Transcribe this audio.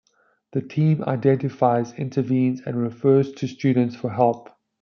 The Team identifies, intervenes, and refers those students for help.